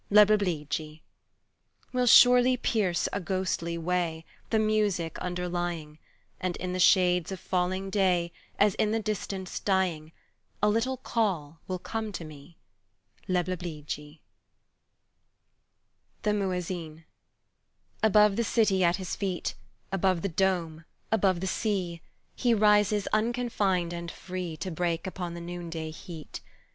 leblebidji," Will surely pierce a ghostly way, The music underlying, And in the shades of falling day As in the distance dying, A little call will come to me, "Leblebidji!" ...* Little white beans THE MUEZZIN ABOVE the city at his feet, Above the dome, above the sea, He rises unconfined and free To break upon the noonday heat.